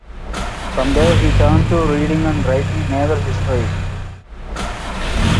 From there he turned to reading and writing naval history.